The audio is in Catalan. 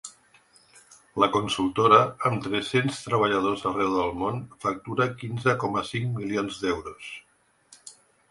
La consultora, amb tres-cents treballadors arreu del món, factura quinze coma cinc milions d’euros.